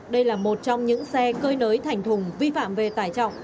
đây là một trong những xe cơi nới thành thùng vi phạm về tải trọng